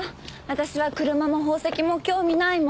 私は車も宝石も興味ないもん。